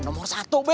nomor satu be